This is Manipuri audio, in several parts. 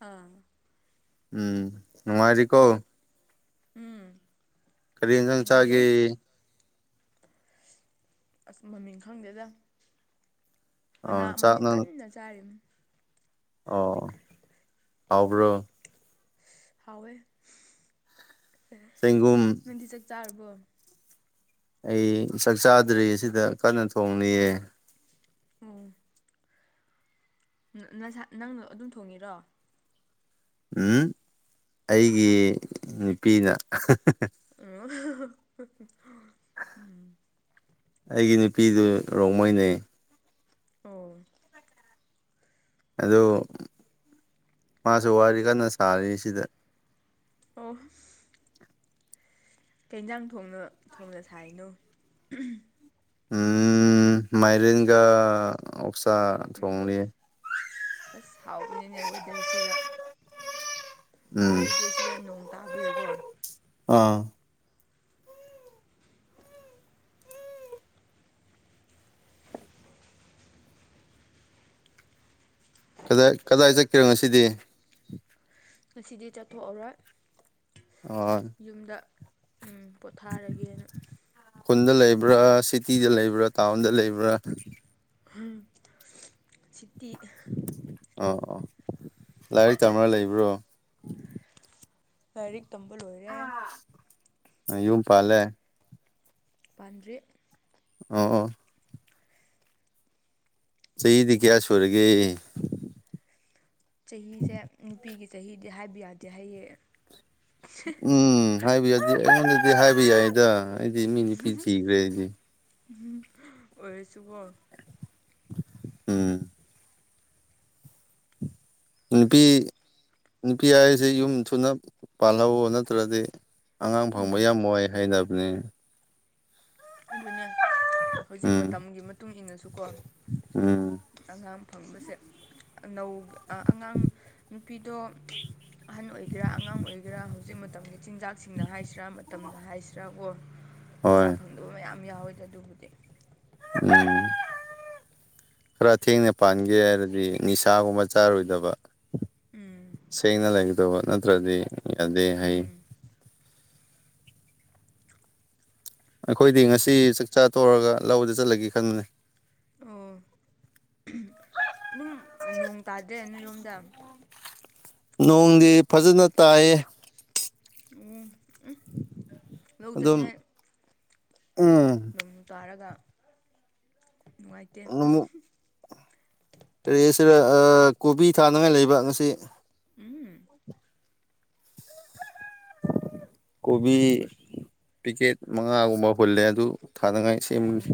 ꯑꯥ ꯎꯝ ꯅꯅꯨꯡꯉꯔꯤ ꯀꯣ ꯎꯝ ꯀꯔꯤ ꯌꯦꯟꯁꯥꯡ ꯃꯗꯤ ꯆꯥꯒꯦ ꯑꯁ ꯃꯃꯤꯡ ꯈꯪꯗꯦꯗ ꯃꯅꯥ ꯑꯣ ꯑꯃꯅꯦ ꯆꯥꯛ ꯅꯪ ꯀꯟꯅ ꯆꯥꯔꯤ ꯑꯣ ꯍꯥꯎꯕ꯭ꯔꯣ ꯍꯋꯦ ꯐ ꯁꯦꯡꯒꯨꯝ ꯅꯗꯤ ꯆꯥꯛ ꯆꯥꯔꯕꯣ ꯑꯩ ꯆꯥꯛ ꯆꯥꯗ꯭ꯔꯤ ꯁꯤꯗ ꯀꯟꯅ ꯊꯣꯡꯅꯤꯌꯦ ꯑꯝ ꯅꯪꯅ ꯑꯗꯨꯝ ꯊꯣꯡꯉꯤꯔꯣ ꯎ ꯑꯩꯒꯤ ꯅꯨꯄꯤꯅ ꯎ ꯎ ꯎ ꯎ ꯑꯩꯒꯤ ꯅꯨꯄꯤꯗꯨ ꯔꯣꯡꯃꯩꯅꯦ ꯑꯣ ꯑꯗꯨ ꯃꯥꯁꯨ ꯋꯥꯔꯤ ꯀꯟꯅ ꯁꯥꯔꯤ ꯁꯤꯗ ꯑꯣ ꯀꯩꯖꯥꯡ ꯊꯣꯡꯅ ꯊꯣꯡꯅ ꯁꯥꯏꯅꯣ ꯎꯝ ꯃꯥꯏꯔꯤꯡꯒꯥꯥ ꯑꯣꯐꯁꯥ ꯎꯝ ꯊꯣꯡꯅꯤ ꯑꯁ ꯍꯥꯎꯕꯅꯤꯅꯦ ꯋꯦꯗꯔꯁꯤꯒ ꯎꯝ ꯑꯩꯈꯣꯏꯗꯗꯤ ꯁꯤꯗ ꯅꯣꯡ ꯇꯥꯕꯤꯌꯨꯀꯣ ꯑꯥ ꯀꯗꯥꯏ ꯀꯗꯥꯏ ꯆꯠꯀꯔꯣ ꯉꯁꯤꯗꯤ ꯉꯁꯤꯗꯤ ꯆꯠꯊꯣꯛꯑꯔꯣꯏ ꯑꯣ ꯌꯨꯝꯗ ꯎ ꯄꯣꯊꯥꯔꯒꯦꯅ ꯈꯨꯜꯗ ꯂꯩꯕ꯭ꯔꯥ ꯁꯤꯇꯤꯗ ꯂꯩꯕ꯭ꯔꯥ ꯇꯥꯎꯟꯗ ꯂꯩꯕ꯭ꯔꯥ ꯁꯤꯇꯤ ꯑ ꯑꯣ ꯂꯥꯏꯔꯤꯛ ꯇꯝꯝꯕꯥ ꯂꯩꯕ꯭ꯔꯣ ꯂꯥꯏꯔꯤꯛ ꯇꯝꯕ ꯂꯣꯏꯔꯦ ꯌꯨꯝꯨꯝ ꯐꯂꯦ ꯄꯥꯟꯗ꯭ꯔꯦ ꯑ ꯆꯍꯤꯗꯤ ꯀꯌꯥ ꯁꯨꯨꯔꯒꯦ ꯆꯍꯤꯁꯦ ꯅꯨꯄꯤꯒꯤ ꯆꯍꯤꯗꯤ ꯍꯥꯏꯕ ꯌꯥꯗꯦ ꯍꯥꯏꯌꯦꯡꯑꯦ ꯎꯝ ꯍꯥꯏꯕ ꯌꯥꯗꯦ ꯑꯩꯉꯣꯟꯗꯗꯤ ꯍꯥꯏꯕ ꯌꯥꯏꯗ ꯑꯩꯗꯤ ꯃꯤ ꯅꯨꯄꯤ ꯊꯤꯈ꯭ꯔꯦ ꯑꯩꯗꯤ ꯎꯝ ꯑꯣꯏꯁꯨꯕꯣ ꯎꯝ ꯅꯨꯄꯤ ꯅꯨꯄꯤ ꯍꯥꯏꯁꯦ ꯌꯨꯝ ꯊꯨꯅ ꯄꯥꯜꯍꯧꯋ ꯅꯠꯇ꯭ꯔꯗꯤ ꯑꯉꯥꯡ ꯐꯪꯕ ꯌꯥꯝ ꯋꯥꯏ ꯍꯥꯏꯅꯕꯅꯤ ꯑꯗꯨꯅꯦ ꯍꯧꯖꯤꯛ ꯎꯝ ꯃꯇꯝꯒꯤ ꯃꯇꯨꯡ ꯏꯟꯅꯁꯨꯀꯣ ꯎꯝ ꯑꯉꯥꯡ ꯐꯪꯕꯁꯦ ꯑꯉꯥꯡ ꯅꯨꯄꯤꯗꯣ ꯑꯍꯟ ꯑꯣꯏꯒꯦꯔꯥ ꯑꯉꯥꯡ ꯑꯣꯏꯒꯦꯔꯥ ꯍꯧꯖꯤꯛ ꯃꯇꯝꯒꯤ ꯆꯤꯟꯖꯥꯛꯁꯤꯡꯅ ꯍꯥꯏꯁꯤꯔꯥ ꯃꯇꯝꯅ ꯍꯥꯏꯁꯤꯔꯥ ꯑꯣ ꯃꯆꯥ ꯍꯣꯏ ꯐꯪꯗꯕ ꯃꯌꯥꯝ ꯌꯥꯎꯋꯦꯗ ꯑꯗꯨꯕꯨꯗꯤ ꯎꯝ ꯈꯔ ꯊꯦꯡꯅ ꯄꯥꯟꯒꯦ ꯍꯥꯏꯔꯗꯤ ꯅꯤꯁꯥꯒꯨꯝꯕ ꯆꯥꯔꯣꯏꯗꯕ ꯎꯝ ꯁꯦꯡꯅ ꯂꯩꯒꯗꯧꯕ ꯅꯠꯇ꯭ꯔꯗꯤ ꯌꯥꯗꯦ ꯍꯩ ꯎꯝ ꯑꯩꯈꯣꯏꯗꯤ ꯉꯁꯤ ꯆꯥꯛꯆꯥ ꯇꯧꯔꯒ ꯂꯧꯕꯗ ꯆꯠꯂꯒꯦ ꯈꯟꯕꯅꯦ ꯑꯥ ꯅꯣꯡ ꯇꯥꯗ꯭ꯔꯦ ꯅꯣꯏꯔꯣꯝꯗ ꯅꯣꯡꯗꯤ ꯐꯖꯅ ꯇꯥꯏ ꯑꯣ ꯂꯧ ꯑꯗꯨꯝ ꯆꯠꯉꯥꯏ ꯎꯝ ꯑꯗꯨꯝ ꯇꯥꯔꯒ ꯅꯨꯡꯉꯥꯏꯇꯦ ꯑꯃꯨꯛ ꯀꯔꯤ ꯁꯤꯗ ꯀꯣꯕꯤ ꯊꯥꯅꯉꯥꯏ ꯂꯩꯕ ꯉꯁꯤ ꯎꯝ ꯀꯣꯕꯤ ꯄꯤꯀꯦꯠ ꯃꯉꯥꯒꯨꯝꯕ ꯍꯨꯜꯂꯦ ꯑꯗꯨ ꯊꯥꯅꯉꯥꯏ ꯁꯦꯝꯅꯤ ꯑꯣ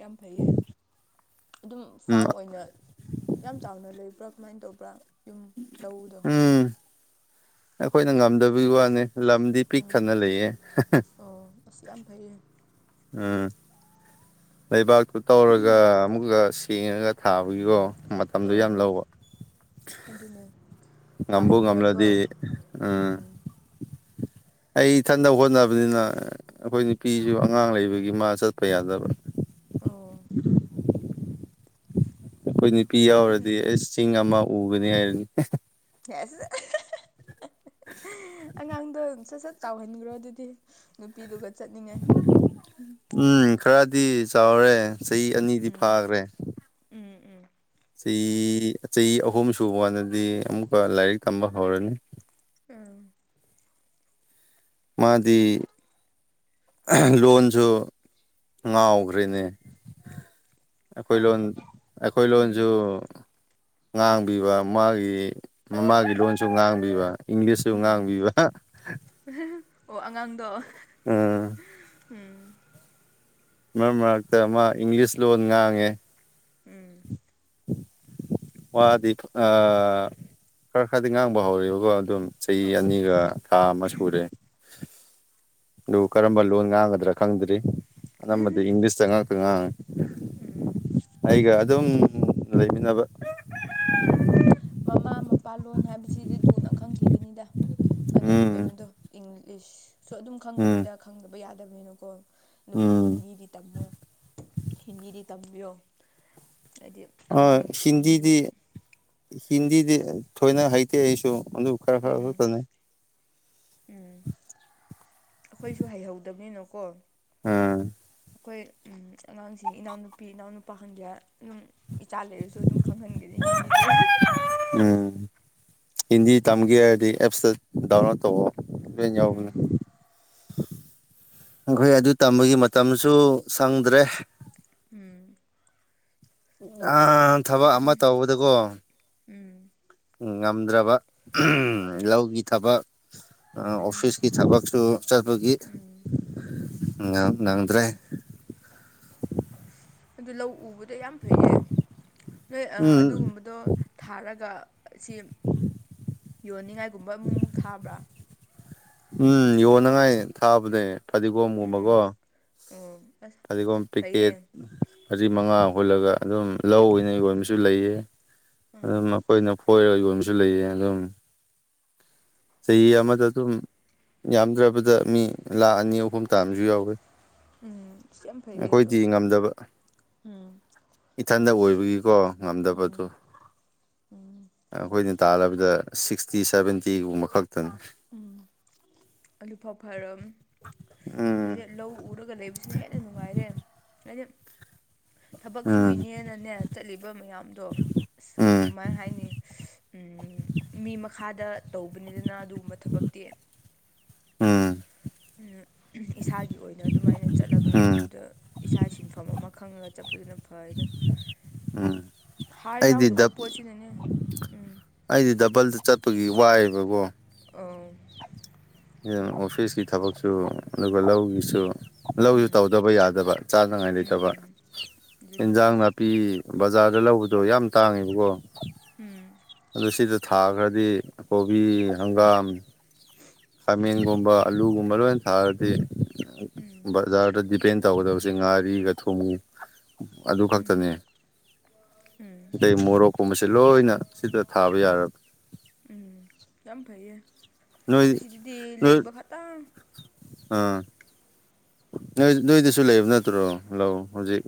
ꯌꯥꯝ ꯐꯩꯌꯦ ꯑꯗꯨꯝ ꯎꯝ ꯐꯥꯝ ꯑꯣꯏꯅ ꯌꯥꯝ ꯆꯥꯎꯅ ꯂꯩꯕ꯭ꯔꯥ ꯀꯃꯥꯏꯅ ꯇꯧꯕ꯭ꯔꯥ ꯌꯨꯝ ꯂꯧꯗꯣ ꯎꯝ ꯑꯩꯈꯣꯏꯅ ꯉꯝꯗꯕꯒꯤ ꯋꯥꯅꯤ ꯂꯝꯗꯤ ꯄꯤꯛ ꯎꯝ ꯊꯅ ꯂꯩꯌꯦ ꯑꯣ ꯑꯁ ꯌꯥꯝ ꯐꯩ ꯎꯝ ꯂꯩꯕꯥꯛꯇꯨ ꯇꯧꯔꯒ ꯑꯃꯨꯛꯀ ꯁꯦꯡꯉꯒ ꯊꯥꯕꯒꯤꯀꯣ ꯑ ꯃꯇꯝꯗꯣ ꯌꯥꯝ ꯂꯧꯕ ꯑꯗꯨꯅꯦ ꯉꯝꯕꯨ ꯐꯍꯟꯒꯌꯥꯥꯏꯔꯀꯣ ꯉꯝꯂꯗꯤ ꯎꯝ ꯑꯩ ꯏꯊꯕ ꯍꯣꯠꯅꯕꯅꯤꯅ ꯑꯩꯈꯣꯏ ꯅꯨꯄꯤꯁꯨ ꯑꯉꯥꯡ ꯂꯩꯕꯒꯤ ꯃꯥ ꯆꯠꯄ ꯌꯥꯗꯕ꯭ꯔꯥ ꯑꯣ ꯑꯩꯈꯣꯏ ꯅꯨꯄꯤ ꯌꯥꯎꯔꯗꯤ ꯑꯩꯁ ꯆꯤꯡ ꯑꯃ ꯎꯒꯅꯤ ꯍꯥꯏꯔꯅꯤ ꯑꯦ ꯁꯠꯠ ꯑꯉꯥꯡꯗꯣ ꯁꯠ ꯁꯠ ꯇꯥꯎꯍꯟꯈ꯭ꯔꯣ ꯑꯗꯨꯗꯤ ꯅꯨꯄꯤꯗꯨꯒ ꯆꯠꯅꯤꯡꯉꯦ ꯎꯝ ꯈꯔꯗꯤ ꯆꯥꯎꯔꯦ ꯆꯍꯤ ꯑꯅꯤꯗꯤ ꯎꯝ ꯐꯥꯈ꯭ꯔꯦ ꯎꯝ ꯎꯝ ꯆꯍꯤ ꯆꯍꯤ ꯑꯍꯨꯝ ꯁꯨꯕ ꯀꯥꯟꯗꯗꯤ ꯑꯃꯨꯛꯀ ꯂꯥꯏꯔꯤꯛ ꯇꯝꯕ ꯍꯧꯔꯅꯤ ꯎꯝ ꯃꯥꯗꯤ ꯂꯣꯟꯁꯨ ꯉꯥꯎꯈ꯭ꯔꯦꯅꯦ ꯑꯩꯈꯣꯏ ꯍꯥ ꯂꯣꯟ ꯑꯩꯈꯣꯏ ꯎꯝ ꯂꯣꯟꯁꯨ ꯉꯥꯡꯕꯤꯕ ꯃꯥꯒꯤ ꯃꯃꯥꯒꯤ ꯂꯣꯟꯁꯨ ꯉꯥꯡꯕꯤꯕ ꯏꯪꯂꯤꯁꯁꯨ ꯎꯝ ꯉꯥꯡꯕꯤꯕ ꯑꯣ ꯑꯉꯥꯡꯗꯣ ꯎꯝ ꯎꯝ ꯃꯔꯛ ꯃꯔꯛꯇ ꯃꯥ ꯏꯪꯂꯤꯁ ꯂꯣꯟ ꯉꯥꯡꯉꯦ ꯎꯝ ꯋꯥꯗꯤ ꯑ ꯈꯔ ꯈꯔꯗꯤ ꯉꯥꯡꯕ ꯍꯧꯦꯕꯀꯣ ꯑꯗꯨꯝ ꯆꯍꯤ ꯑꯣ ꯑꯅꯤꯒ ꯊꯥ ꯑꯃ ꯁꯨꯔꯦ ꯑꯗꯨ ꯀꯔꯝꯕ ꯂꯣꯟ ꯉꯥꯡꯒꯗ꯭ꯔꯥ ꯈꯪꯗ꯭ꯔꯤ ꯑꯅꯝꯕꯗꯤ ꯏꯪꯂꯤꯁꯇ ꯉꯥꯛꯇ ꯉꯥꯡꯉꯤ ꯎꯝ ꯑꯩꯒ ꯑꯗꯨꯝ ꯂꯩꯃꯤꯟꯅꯕ ꯎꯝ ꯃꯃꯥ ꯃꯄꯥ ꯂꯣ ꯍꯥꯏꯕꯁꯤꯗꯤ ꯊꯨꯅ ꯈꯪꯈꯤꯒꯅꯤꯗ ꯑꯗꯨꯕꯨ ꯎꯝ ꯀꯩꯅꯣꯗꯣ ꯏꯪꯂꯤꯁꯁꯨ ꯑꯗꯨꯝ ꯎꯝ ꯈꯪꯒꯅꯤꯗ ꯈꯪꯗꯕ ꯌꯥꯗꯕꯅꯤꯅꯀꯣ ꯑꯗꯨꯕꯨ ꯎꯝ ꯍꯤꯟꯗꯤꯗꯤ ꯇꯝꯃꯣꯏ ꯍꯤꯟꯗꯤꯗꯤ ꯇꯝꯕꯤꯌꯣ ꯍꯥꯏꯗꯤ ꯑ ꯑꯉꯥꯡ ꯍꯤꯟꯗꯤ ꯍꯤꯟꯗꯤꯗꯤ ꯍꯤꯟꯗꯤꯗꯤ ꯊꯣꯏꯅ ꯍꯩꯇꯦ ꯑꯩꯁꯨ ꯑꯗꯨ ꯈꯔ ꯈꯔ ꯎꯝ ꯈꯇꯅꯦ ꯎꯝ ꯑꯩꯈꯣꯏꯁꯨ ꯍꯩꯍꯧꯗꯕꯅꯤꯅꯀꯣ ꯎꯝ ꯑꯩꯈꯣꯏ ꯑꯉꯥꯡꯁꯤꯡ ꯏꯅꯥꯎꯅꯨꯄꯤ ꯏꯅꯥꯎꯅꯨꯄꯥ ꯈꯪꯒꯦ ꯑꯗꯨꯝ ꯏꯆꯥ ꯂꯩꯔꯁꯨ ꯑꯗꯨꯝ ꯈꯪꯍꯟꯒꯅꯤ ꯍꯤꯟꯗꯤꯗꯤ ꯎꯝ ꯍꯤꯟꯗꯤ ꯇꯝꯒꯦ ꯍꯥꯏꯔꯗꯤ ꯑꯦꯞꯁꯇ ꯗꯥꯎꯟꯂꯣꯗ ꯇꯧꯕ ꯂꯦꯟ ꯌꯥꯎꯕꯅꯦ ꯑꯩꯈꯣꯏ ꯑꯗꯨ ꯇꯝꯕꯒꯤ ꯃꯇꯝꯁꯨ ꯁꯪꯗ꯭ꯔꯦ ꯎꯝ ꯑ ꯊꯕꯛ ꯑꯃ ꯇꯧꯕꯗꯀꯣ ꯎꯝ ꯉꯝꯗ꯭ꯔꯕ ꯍꯣꯏ ꯂꯧꯒꯤ ꯊꯕꯛ ꯑꯗꯨꯅ ꯑꯣꯐꯤꯁꯀꯤ ꯊꯕꯛꯁꯨ ꯆꯠꯄꯒꯤ ꯎꯝ ꯅꯪꯗ꯭ꯔꯦ ꯑꯗꯨ ꯂꯧ ꯎꯕꯗꯣ ꯌꯥꯝ ꯐꯩꯌꯦ ꯅꯣꯏ ꯎꯝ ꯑꯗꯨꯒꯨꯝꯕꯗꯣ ꯊꯥꯔꯒ ꯑꯁꯤ ꯌꯣꯟꯅꯤꯡꯉꯥꯏꯒꯨꯝꯕ ꯑꯃꯨꯛꯃꯨꯛ ꯊꯥꯕ꯭ꯔꯥ ꯎꯝ ꯌꯣꯟꯅꯉꯥꯏ ꯊꯥꯕꯅꯦ ꯐꯗꯤꯒꯣꯝꯒꯨꯝꯕꯀꯣ ꯎꯝ ꯑꯣ ꯑꯁ ꯄꯒꯝ ꯐꯩꯌꯦ ꯄꯀꯦꯠ ꯃꯔꯤ ꯃꯉꯥ ꯍꯨꯜꯂꯒ ꯑꯗꯨꯝ ꯂꯧ ꯑꯣꯏꯅꯩ ꯌꯣꯟꯕꯁꯨ ꯂꯩꯌꯦ ꯎꯝ ꯑꯗꯨꯝ ꯑꯩꯈꯣꯏꯅ ꯐꯣꯏꯔꯒ ꯌꯣꯟꯕꯁꯨ ꯂꯩꯌꯦ ꯑꯗꯨꯝ ꯆꯍꯤ ꯑꯃꯗ ꯑꯗꯨꯝ ꯌꯥꯝꯗ꯭ꯔꯕꯗ ꯃꯤ ꯂꯥꯛ ꯑꯅꯤ ꯑꯍꯨꯝ ꯇꯥꯕꯁꯨ ꯌꯥꯎꯋꯤ ꯎꯝ ꯑꯁ ꯌꯥꯝ ꯐꯩꯌꯦ ꯑꯗꯣ ꯑꯩꯈꯣꯏꯗꯤ ꯉꯝꯗꯕ ꯎꯝ ꯏꯊꯟꯇ ꯑꯣꯏꯕꯒꯤꯀꯣ ꯉꯝꯗꯕꯗꯨ ꯑꯩꯈꯣꯏꯅ ꯇꯥꯟꯂꯕꯗ ꯁꯤꯛꯁꯇꯤ ꯁꯚꯦꯟꯇꯤꯒꯨꯝꯕ ꯈꯛꯇꯅꯤ ꯑꯂꯨꯐꯥꯎ ꯐꯔꯝ ꯎꯝ ꯁꯤꯗ ꯂꯧ ꯎꯔꯒ ꯂꯩꯕ ꯁꯤꯅ ꯍꯦꯟꯅ ꯅꯨꯡꯉꯥꯏꯔꯦ ꯍꯥꯏꯗꯤ ꯊꯕꯛ ꯎꯝ ꯁꯨꯏꯅꯦꯅꯅꯦ ꯆꯠꯂꯤꯕ ꯃꯌꯥꯝ ꯑꯗꯣ ꯑꯁ ꯎꯝ ꯀꯃꯥꯏ ꯍꯥꯏꯅꯤ ꯎꯝ ꯃꯤ ꯃꯈꯥꯗ ꯇꯧꯕꯅꯤꯗꯅ ꯑꯗꯨꯒꯨꯝꯕ ꯊꯕꯛꯇꯤ ꯎꯝ ꯎꯝ ꯏꯁꯥꯒꯤ ꯑꯣꯏꯅ ꯑꯗꯨꯃꯥꯏꯅ ꯆꯠꯂꯒ ꯎꯝ ꯂꯩꯕꯗꯣ ꯏꯁꯥꯏ ꯁꯤꯟꯐꯝ ꯑꯃ ꯈꯪꯉꯒ ꯆꯠꯄꯗꯨꯅ ꯐꯩꯗ ꯎꯝ ꯍꯥꯔ ꯑꯩꯗꯤ ꯌꯥꯎꯗꯕ ꯗꯞ ꯄꯣꯠꯁꯤꯅꯅꯦ ꯎꯝ ꯑꯩꯗꯤ ꯗꯕꯜꯗ ꯆꯠꯄꯒꯤ ꯋꯥꯏꯑꯦꯕꯀꯣ ꯑꯝ [unintelligible] ꯑꯣꯐꯤꯁꯀꯤ ꯊꯕꯛꯁꯨ ꯑꯗꯨꯒ ꯂꯧꯒꯤꯁꯨ ꯂꯧꯁꯨ ꯇꯧꯗꯕ ꯌꯥꯗꯕ ꯆꯥꯅꯉꯥꯏ ꯎꯝ ꯂꯩꯇꯕ ꯎꯝ ꯑꯗꯨꯅ ꯏꯟꯁꯥꯡ ꯅꯥꯄꯤ ꯕꯖꯥꯔꯗ ꯂꯧꯕꯗꯣ ꯌꯥꯝ ꯇꯥꯡꯉꯦꯕꯀꯣ ꯎꯝ ꯑꯗꯣ ꯁꯤꯗ ꯊꯥꯈ꯭ꯔꯗꯤ ꯀꯣꯕꯤ ꯍꯪꯒꯥꯝ ꯈꯥꯃꯦꯟꯒꯨꯝꯕ ꯑꯂꯨꯒꯨꯝꯕ ꯂꯣꯏꯅ ꯊꯥꯔꯗꯤ ꯎꯝ ꯕꯖꯥꯔꯗ ꯗꯤꯄꯦꯟ ꯇꯧꯒꯗꯕꯁꯦ ꯉꯥꯔꯤꯒ ꯊꯨꯝ ꯑꯗꯨ ꯎꯝ ꯈꯛꯇꯅꯦ ꯎꯝ ꯑꯇꯩꯃꯣꯔꯣꯛꯀꯨꯝꯕꯁꯦ ꯂꯣꯏꯅ ꯁꯤꯗ ꯊꯥꯕ ꯌꯥꯔꯕ ꯎꯝ ꯌꯥꯝ ꯐꯩꯌꯦ ꯅꯣꯏ ꯑꯁꯤꯗꯗꯤ ꯅꯣꯏ ꯂꯩꯕ ꯈꯇꯪ ꯑꯥ ꯅꯣꯏ ꯅꯣꯏꯗꯁꯨ ꯂꯩꯕ ꯅꯠꯇ꯭ꯔꯣ ꯂꯧ ꯍꯧꯖꯤꯛ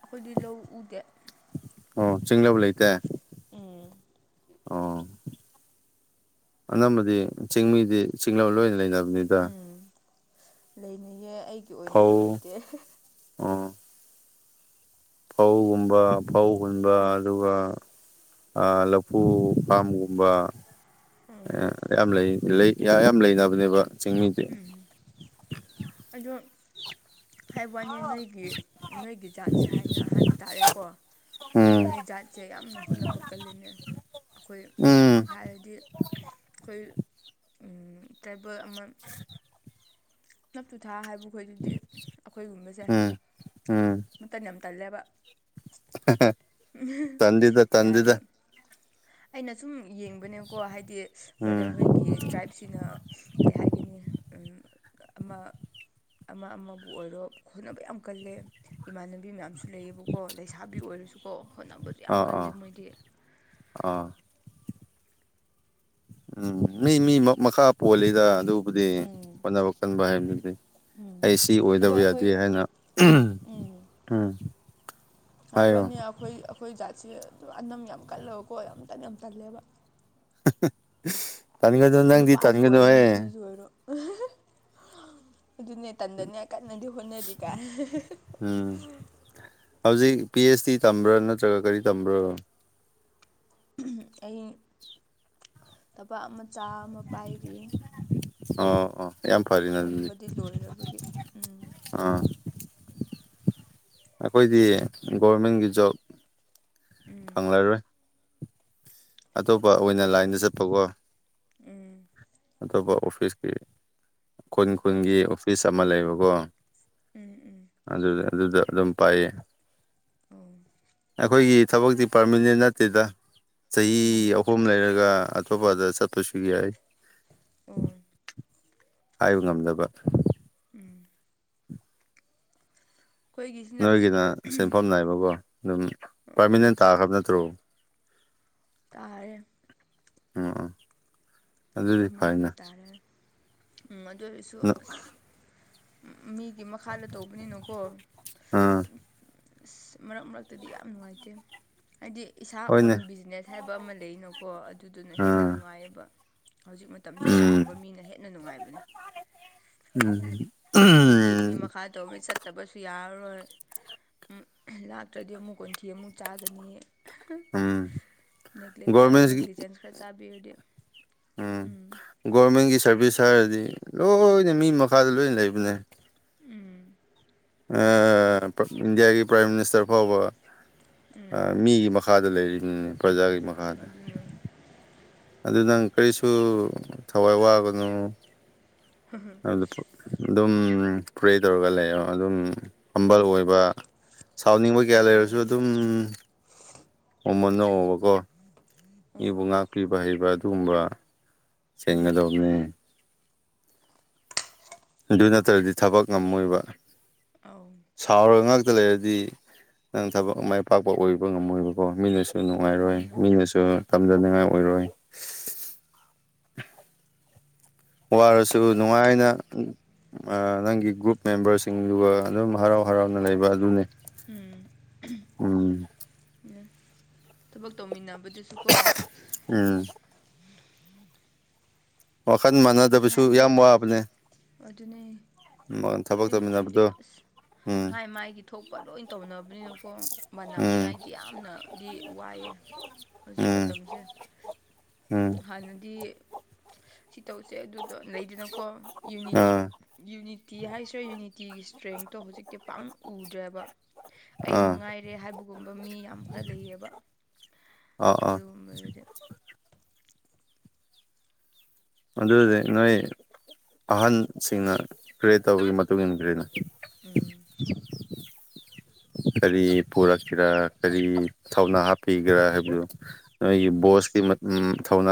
ꯑꯩꯈꯣꯏꯗꯤ ꯂꯧ ꯎꯗꯦ ꯑꯣ ꯆꯤꯡꯂꯕ ꯂꯩꯇꯦ ꯎꯝ ꯑꯣ ꯑꯅꯝꯕꯗꯤ ꯆꯤꯡꯃꯤꯗꯤ ꯆꯤꯡꯂꯧ ꯂꯣꯏꯅ ꯂꯩꯅꯕꯅꯤꯗ ꯎꯝ ꯂꯩꯅꯩꯌꯦ ꯑꯩꯒꯤ ꯑꯣꯏꯅꯗꯤ ꯐꯧ ꯂꯩꯇꯦ ꯑꯣ ꯐꯧꯒꯨꯝꯕ ꯐꯧ ꯍꯨꯟꯕ ꯑꯗꯨꯒ ꯑ ꯂꯐꯨ ꯄꯥꯝꯒꯨꯝꯕ ꯑꯦ ꯌꯥꯝ ꯂꯩ ꯌꯥꯝ ꯂꯩꯅꯕꯅꯦꯕ ꯆꯤꯡꯃꯤꯗꯤ ꯑꯗꯣ ꯍꯥꯏꯕꯋꯥꯅꯤ ꯅꯣꯏꯒꯤ ꯅꯣꯏꯒꯤ ꯖꯥꯠꯁꯦ ꯍꯥꯏꯅ ꯍꯥꯏꯕ ꯇꯥꯔꯦꯀꯣ ꯎꯝ ꯅꯣꯏ ꯖꯥꯠꯁꯦ ꯌꯥꯝꯅ ꯍꯣꯠꯅꯕ ꯀꯜꯂꯤꯅꯦ ꯑꯩꯈꯣꯏ ꯎꯝ ꯍꯥꯏꯔꯗꯤ ꯑꯩꯈꯣꯏ ꯎꯝ ꯇ꯭ꯔꯥꯏꯕꯦꯜ ꯑꯃ [inaudible] [inaudible] ꯅꯞꯇꯨꯊꯥ ꯍꯥꯏꯕꯈꯣꯏꯗꯨꯗꯤ ꯑꯩꯈꯣꯏꯒꯨꯝꯕꯁꯦ ꯎꯝ ꯎꯝ ꯃꯇꯟ ꯌꯥꯝ ꯇꯜꯂꯦꯕ ꯇꯟꯗꯦꯗ [unintelligible] ꯇꯟꯗꯦꯗ ꯌꯥꯗꯦꯕ ꯑꯩꯅ ꯁꯨꯝ ꯌꯦꯡꯕꯅꯦꯀꯣ ꯍꯥꯏꯗꯤ ꯎꯝ ꯕꯗꯔ ꯍꯣꯏ ꯒꯤ ꯇ꯭ꯔꯥꯏꯞꯁꯤꯅ ꯀꯩ ꯍꯥꯏꯒꯅꯤ ꯑꯃ ꯑꯃꯕꯨ ꯑꯣꯏꯔꯣ ꯍꯣꯠꯅꯕ ꯌꯥꯝ ꯀꯜꯂꯦ ꯏꯃꯥꯟꯅꯕꯤ ꯃꯌꯥꯝꯁꯨ ꯁꯨ ꯂꯩꯌꯦꯕꯀꯣ ꯂꯩꯁꯥꯕꯤ ꯑꯣꯏꯔꯁꯨꯀꯣ ꯍꯣꯠꯅꯕꯗ ꯑꯥ ꯑꯥ ꯑꯥ ꯎꯝ ꯃꯤ ꯃꯤ ꯃꯈꯥ ꯄꯣꯜꯂꯤꯗ ꯑꯗꯨꯕꯨꯗꯤ ꯎꯝ ꯍꯣꯠꯅꯕ ꯀꯟꯕ ꯍꯥꯏꯕꯗꯨꯗꯤ ꯎꯝ ꯑꯩ ꯁꯤ ꯑꯗꯣ ꯑꯣꯏꯗꯕ ꯌꯥꯗꯦ ꯑꯩꯈꯣꯏ ꯍꯥꯏꯅ ꯎꯝ ꯍꯥꯏ ꯍꯥꯏꯌꯣ ꯋꯥꯅꯤ ꯑꯩꯈꯣꯏ ꯑꯩꯈꯣꯏ ꯖꯥꯠꯁꯦ ꯑꯗꯨꯝ ꯑꯅꯝ ꯌꯥꯝ ꯀꯜꯂꯕꯀꯣ ꯌꯥꯝ ꯇꯟ ꯌꯥꯝ ꯇꯜꯂꯦꯕ ꯇꯥꯟꯒꯗ ꯅꯪꯗꯤ ꯅꯨꯄꯥꯁꯨ ꯑꯣꯏꯔꯣ ꯇꯥꯟꯒꯅꯣꯍꯦ ꯅꯨꯄꯤꯁꯨ ꯑꯣꯏꯔꯣ ꯑꯗꯨꯅꯦ ꯇꯟꯗꯅꯦ ꯀꯟꯅꯗꯤ ꯍꯣꯠꯅꯔꯤꯒꯥꯏ ꯎꯝ ꯍꯧꯖꯤꯛ ꯄꯤ ꯑꯩꯆ ꯗꯤ ꯇꯝꯕ꯭ꯔꯥ ꯅꯠꯇ꯭ꯔꯒ ꯀꯔꯤ ꯇꯝꯕ꯭ꯔꯣ ꯑꯩ ꯊꯕꯥꯛ ꯃꯆꯥ ꯑꯃ ꯄꯥꯏꯔꯤ ꯑꯣꯥ ꯑꯣꯥ ꯌꯥꯝ ꯐꯔꯦꯅ ꯑꯗꯨꯗꯤ ꯇꯝꯕꯗꯤ ꯂꯣꯏꯔꯕꯒꯤ ꯎꯝ ꯑꯥ ꯑꯩꯈꯣꯏꯗꯤ ꯒꯣꯔꯃꯦꯟꯒꯤ ꯖꯣꯕ ꯐꯪꯂꯪꯂꯔꯣꯏ ꯑꯇꯣꯞꯄ ꯑꯣꯏꯅ ꯂꯥꯏꯟꯗ ꯎꯝ ꯆꯠꯄꯀꯣ ꯎꯝ ꯑꯇꯣꯞꯄ ꯑꯣꯐꯤꯁꯀꯤ ꯈꯨꯟ ꯎꯝ ꯑꯣ ꯈꯨꯟꯒꯤ ꯑꯣꯐꯤꯁ ꯑꯃ ꯂꯩꯕꯀꯣ ꯎꯝ ꯎꯝ ꯑꯗꯨ ꯑꯗꯨꯗ ꯑꯗꯨꯝ ꯄꯥꯏꯌꯦ ꯑꯣ ꯎꯝ ꯑꯩꯈꯣꯏꯒꯤ ꯊꯕꯛꯇꯤ ꯄꯥꯔꯃꯤꯅꯦꯟ ꯅꯠꯇꯦꯗ ꯆꯍꯤ ꯑꯍꯨꯝ ꯂꯩꯔꯒ ꯑꯇꯣꯞꯄꯗ ꯆꯠꯄꯁꯨ ꯌꯥꯏ ꯑꯣ ꯍꯥꯏꯕ ꯉꯝꯗꯕ ꯎꯝ ꯑꯩꯈꯣꯏꯒꯤꯁꯤꯅ ꯅꯣꯏꯒꯤꯅ ꯁꯤꯦꯟꯐꯝ ꯅꯥꯏꯕꯀꯣ ꯑꯗꯨꯝ ꯎꯝ ꯄꯥꯔꯃꯤꯅꯦꯟ ꯇꯥꯈ꯭ꯔꯕ ꯅꯠꯇ꯭ꯔꯣ ꯇꯥꯔꯦ ꯎ ꯑꯗꯨꯗꯤ ꯄꯔꯃꯅꯦꯟꯗꯤ ꯐꯥꯏꯅ ꯇꯥꯔꯦ ꯑꯗꯨ ꯑꯣꯏꯔꯁꯨ ꯑꯁ ꯃꯤꯒꯤ ꯃꯈꯥꯗ ꯇꯧꯕꯅꯤꯅꯀꯣ ꯑꯥ ꯑꯁ ꯃꯔꯛ ꯃꯔꯛꯇꯗꯤ ꯌꯥꯝ ꯅꯨꯡꯉꯥꯏꯇꯦ ꯍꯥꯏꯗꯤ ꯏꯁꯥ ꯑꯣꯟ ꯍꯣꯏꯅꯦ ꯕꯤꯖꯤꯅꯦꯁ ꯍꯥꯏꯕ ꯑꯃ ꯂꯩꯅꯀꯣ ꯑꯗꯨꯗꯨꯅ ꯍꯦꯟꯅ ꯑꯥ ꯅꯨꯡꯉꯥꯏꯌꯦꯕ ꯍꯧꯖꯤꯛ ꯃꯇꯝꯁꯦ ꯎꯝ ꯑꯗꯨꯒꯨꯝꯕ ꯃꯤꯅ ꯍꯦꯟꯅ ꯅꯨꯡꯉꯥꯏꯕꯅꯦ ꯎꯝ ꯑꯩꯈꯣꯏꯗꯤ ꯃꯤ ꯃꯈꯥ ꯇꯧꯕꯃꯤ ꯆꯠꯇꯕꯁꯨ ꯌꯥꯔꯔꯣꯏ ꯂꯥꯛꯇ꯭ꯔꯗꯤ ꯑꯃꯨꯛ ꯀꯣꯟꯊꯤ ꯑꯃꯨꯛ ꯆꯥꯒꯅꯤ ꯎꯝ ꯅꯦꯛ꯭ꯂꯦꯛ ꯈꯔ ꯒꯣꯔꯃꯦꯟꯒꯤ ꯅꯦꯒ꯭ꯂꯤꯖꯦꯟꯁ ꯈꯔ ꯆꯥꯕꯤꯔꯗꯤ ꯎꯝ ꯒꯣꯔꯃꯦꯟꯒꯤ ꯁꯥꯔꯚꯤꯁ ꯍꯥꯏꯔꯗꯤ ꯂꯣꯏꯅ ꯃꯤ ꯃꯈꯥꯗ ꯂꯣꯏꯅ ꯂꯩꯕꯅꯦ ꯎꯝ ꯏꯟꯗꯤꯌꯥꯒꯤ ꯄ꯭ꯔꯥꯏꯝ ꯃꯤꯅꯤꯁꯇꯔ ꯐꯥꯎꯕ ꯎꯝ ꯃꯤꯒꯤ ꯃꯈꯥ ꯃꯈꯥꯗ ꯂꯩꯔꯤꯕꯔꯤꯅꯤꯅꯦ ꯄ꯭ꯔꯖꯥꯒꯤ ꯃꯈꯥ ꯑꯗꯨ ꯑꯗꯨ ꯅꯪ ꯀꯔꯤꯁꯨ ꯊꯋꯥꯏ ꯋꯥꯒꯅꯣ ꯑꯗꯨ ꯑꯗꯨꯝ ꯄ꯭ꯔꯦ ꯇꯧꯔꯒ ꯂꯩꯔꯣ ꯑꯗꯨꯝ ꯍꯝꯕꯜ ꯎꯝ ꯑꯣꯏꯕ ꯁꯥꯎꯅꯤꯡꯕ ꯀꯌꯥ ꯑꯗꯨꯅꯦ ꯂꯩꯔꯁꯨ ꯑꯗꯨꯝ ꯎꯝ ꯃꯃꯟ ꯅꯑꯣꯕꯀꯣ ꯃꯤꯕꯨ ꯎꯝ ꯉꯥꯛꯄꯤꯕ ꯍꯩꯕ ꯑꯗꯨꯒꯨꯝꯕ ꯎꯝ ꯆꯦꯡꯒꯗꯕꯅꯤ ꯑꯗꯨ ꯅꯠꯇ꯭ꯔꯗꯤ ꯊꯕꯛ ꯉꯝꯃꯣꯏꯕ ꯑꯥꯎ ꯁꯥꯎꯔꯒ ꯉꯥꯛꯇ ꯂꯩꯔꯗꯤ ꯅꯪ ꯊꯕꯛ ꯃꯥꯏ ꯄꯥꯛꯄ ꯑꯣꯏꯕ ꯉꯝꯃꯣꯏꯕꯀꯣ ꯃꯤꯅ ꯁ ꯅꯨꯡꯉꯥꯏꯔꯣꯏ ꯑꯗꯨꯅ ꯃꯤꯅꯁꯨ ꯇꯝꯖꯅꯤꯡꯉꯥꯏ ꯑꯣꯏꯔꯣꯏ ꯋꯥꯔꯁꯨ ꯅꯨꯡꯉꯥꯏꯅ ꯅꯪꯒꯤ ꯒ꯭ꯔꯨꯞ ꯃꯦꯝꯕꯔꯁꯤꯡꯗꯨꯒ ꯑꯗꯨꯝ ꯍꯔꯥꯎ ꯍꯔꯥꯎꯅ ꯂꯩꯕ ꯑꯗꯨꯅꯤ ꯎꯝ ꯎꯝ [unintelligible] ꯊꯕꯛ ꯇꯧꯃꯤꯟꯅꯕꯗꯨꯁꯨ ꯀꯣ ꯎꯝ ꯋꯥꯈꯜ ꯃꯥꯟꯅꯗꯕꯁꯨ ꯌꯥꯝ ꯋꯥꯕꯅꯦ ꯑꯗꯨꯅꯤ ꯊꯕꯛ ꯍꯧꯖꯤꯛ ꯃꯇꯝꯗꯤ ꯇꯧꯃꯤꯟꯅꯕꯗꯣ ꯑꯁ ꯎꯝ ꯃꯥꯏ ꯃꯥꯏꯒꯤ ꯊꯣꯛꯄ ꯂꯣꯏ ꯇꯧꯅꯕꯅꯤꯅꯀꯣ ꯎꯝ ꯃꯅꯝꯅꯤꯉꯥꯏꯗꯤ ꯌꯥꯝꯅꯗꯤ ꯋꯥꯏꯑꯦ ꯍꯧꯖꯤꯛ ꯃꯇꯝꯁꯦ ꯍꯝ ꯍꯥꯟꯅꯗꯤ ꯁꯤ ꯇꯧꯁꯦ ꯑꯗꯨꯗꯣ ꯂꯩꯗꯅꯀꯣ ꯌꯨꯅꯤꯠ ꯑꯥ ꯌꯨꯅꯤꯇꯤ ꯍꯥꯏꯁꯤꯔꯦ ꯌꯨꯅꯤꯇꯤꯒꯤ ꯏꯁꯇꯔꯦꯡꯇꯣ ꯍꯧꯖꯤꯛꯇꯤ ꯄꯥꯛꯅ ꯎꯗ꯭ꯔꯦꯕ ꯑꯩ ꯑꯥ ꯃꯉꯥꯏꯔꯦ ꯍꯥꯏꯕꯒꯨꯝꯕ ꯃꯤ ꯌꯥꯝ ꯈꯔ ꯂꯩꯌꯦꯕ ꯑꯥ ꯑꯥ ꯑꯗꯨꯒꯨꯝꯕꯗꯨꯗꯤ ꯑꯗꯨꯗꯤ ꯅꯣꯏ ꯑꯍꯟꯁꯤꯡꯅ ꯀ꯭ꯔꯌꯦꯠ ꯇꯧꯕꯒꯤ ꯃꯇꯨꯡ ꯏꯟꯅ ꯀ꯭ꯔꯤꯅ ꯎꯝ ꯀꯔꯤ ꯄꯨꯔꯛꯀꯦꯔꯥ ꯀꯔꯤ ꯊꯧꯅꯥ ꯍꯥꯞꯄꯤꯒꯦꯔꯥ ꯍꯥꯏꯕꯗꯨ ꯅꯣꯏꯒꯤ ꯎꯝ ꯕꯣꯁꯀꯤ ꯊꯧꯅꯥ